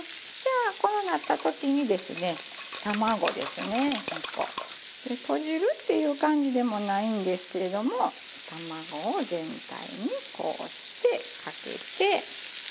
じゃあこうなった時にですね卵ですね２個。でとじるっていう感じでもないんですけれども卵を全体にこうしてかけて。